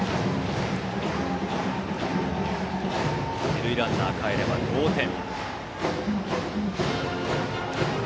二塁ランナーがかえれば同点。